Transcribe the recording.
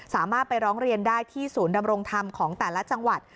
สามารถไปร้องเรียนได้ที่ศูนย์ดำรงธรรมของแต่ละจังหวัด